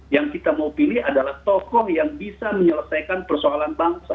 yang kita mau pilih adalah tokoh yang bisa menyelesaikan persoalan bangsa